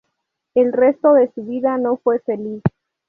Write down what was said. El resto de su vida no fue feliz.